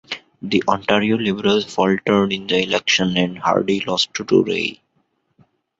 The Ontario Liberals faltered in the election, and Hardy lost to Rae.